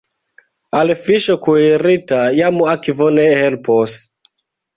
Al fiŝo kuirita jam akvo ne helpos.